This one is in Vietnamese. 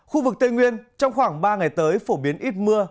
khu vực tây nguyên trong khoảng ba ngày tới phổ biến ít mưa